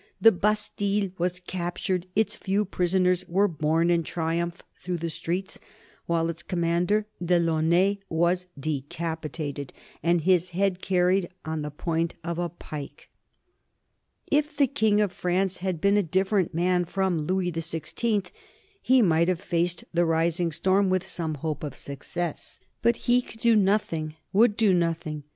The Bastille was captured; its few prisoners were borne in triumph through the streets, while its commander, De Launay, was decapitated and his head carried about on the point of a pike. [Sidenote: 1789 The French Revolution] If the King of France had been a different man from Louis the Sixteenth he might have faced the rising storm with some hope of success. But he could do nothing, would do nothing.